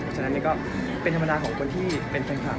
ฉะนั้นก็เป็นธรรมดาของคนที่เป็นแฟนคลับ